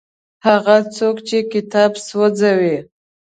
هغه څوک چې کتاب سوځوي.